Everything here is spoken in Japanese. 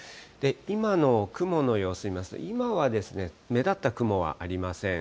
今の雲の様子見ますと、今は目立った雲はありません。